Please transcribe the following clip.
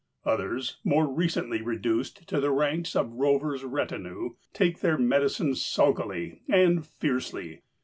Others, more recently reduced to the ranks of Rover's retinue, take their medicine sulkily and fiercely.